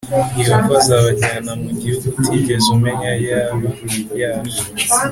Yehova azabajyana b mu gihugu utigeze umenya yaba yaje